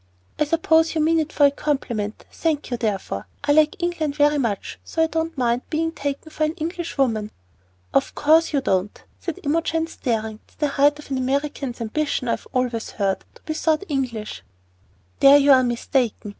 "I suppose you mean it for a compliment; thank you, therefore. I like England very much, so I don't mind being taken for an English woman." "Of course you don't," said Imogen, staring. "It's the height of an American's ambition, I've always heard, to be thought English." "There you are mistaken.